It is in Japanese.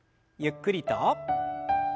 ゆっくりと。